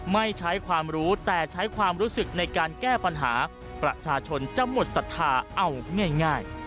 ไม่ใช้ความรู้แต่ใช้ความรู้สึกในการแก้ปัญหาประชาชนจะหมดศรัทธาเอาง่าย